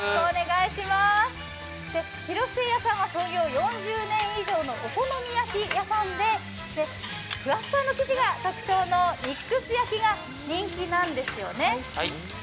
廣末屋さんは創業４０年以上の老舗で、お好み焼き屋さんでふわっふわの生地が特徴のミックス焼が人気なんですよね。